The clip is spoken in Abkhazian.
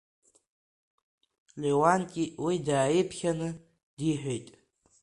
Леуанти уи дааиԥхьаны диҳәеит.